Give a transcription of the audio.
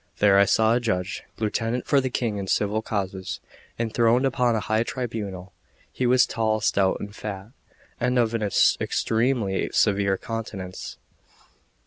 There I saw a judge, lieutenant for the King in civil causes, enthroned upon a high tribunal. He was tall, stout, and fat, and of an extremely severe countenance.